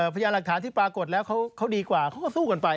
พยายามหลักฐานที่ปรากฏแล้วเขาดีกว่าเขาก็สู้กันไป